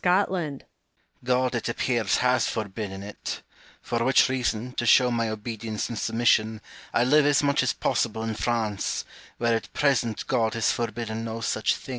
God, it appears, has forbidden it ; for which reason, to show my obedience and submission, I live as much as possible in France, where at present God has forbidden no such thing.